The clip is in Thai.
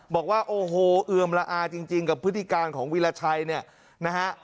บอกว่าโอ้โหเอือมละอาจริงกับพฤติการของวีรชัยเนี่ยนะฮะ